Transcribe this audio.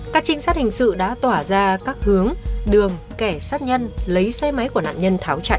các trinh sát hình sự đã tỏa ra các hướng đường kẻ sát nhân lấy xe máy của nạn nhân tháo chạy